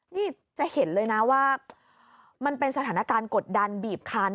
นี่จะเห็นเลยนะว่ามันเป็นสถานการณ์กดดันบีบคัน